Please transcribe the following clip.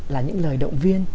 là những lời động viên